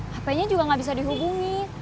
hp nya juga nggak bisa dihubungi